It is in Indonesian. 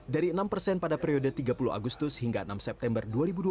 dari enam persen pada periode tiga puluh agustus hingga enam september dua ribu dua puluh